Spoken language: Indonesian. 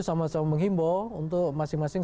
sama sama menghimbau untuk masing masing